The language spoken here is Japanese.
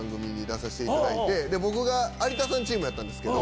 僕が有田さんチームやったんですけど。